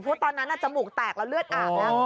เพราะตอนนั้นจมูกแตกแล้วเลือดอาบแล้ว